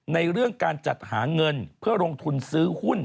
ในเรื่องการจัดหาเงินเพื่อลงทุนซื้อหุ้น